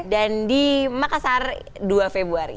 dan di makassar dua februari